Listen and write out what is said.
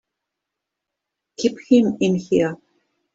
Keep him in here!